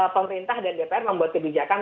pemerintah dan dpr membuat kebijakan